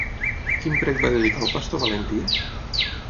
Quin prec van dedicar al pastor Valentí?